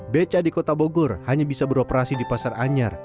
beca di kota bogor hanya bisa beroperasi di pasar anyar